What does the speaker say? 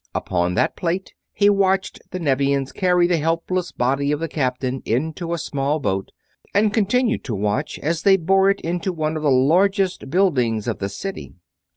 Upon that plate he watched the Nevians carry the helpless body of the captain into a small boat, and continued to watch as they bore it into one of the largest buildings of the city.